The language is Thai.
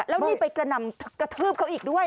แล้วนี่ไปกระหน่ำกระทืบเขาอีกด้วย